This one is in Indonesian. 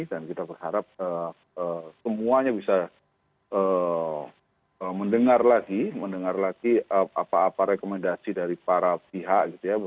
dan kita berharap semuanya bisa mendengar lagi apa apa rekomendasi dari para pihak gitu ya